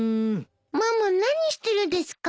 ママ何してるですか？